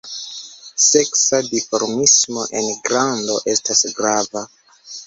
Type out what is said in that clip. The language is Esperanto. Seksa dimorfismo en grando estas grava.